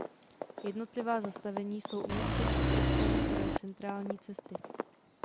Jednotlivá zastavení jsou umístěna oboustranně podél centrální cesty.